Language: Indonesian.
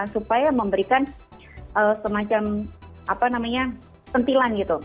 supaya memberikan semacam apa namanya sentilan gitu